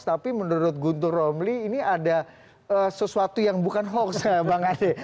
tapi menurut guntur romli ini ada sesuatu yang bukan hoax ya bang ade